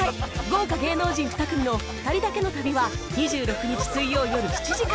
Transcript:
豪華芸能人２組の２人だけの旅は２６日水曜よる７時から